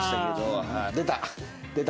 出た！